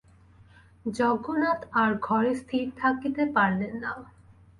যজ্ঞনাথ আর ঘরে স্থির থাকিতে পারেন না।